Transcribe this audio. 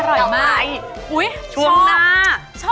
โอ๊ยชวงหน้าชอบ